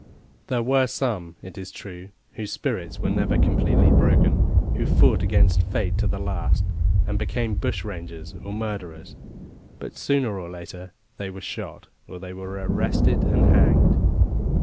There were some, it is true, whose spirits were never completely broken who fought against fate to the last, and became bushrangers or murderers; but sooner or later they were shot, or they were arrested and hanged.